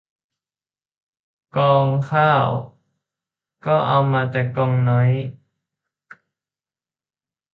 ก่องข้าวก็เอามาแต่ก่องน้อย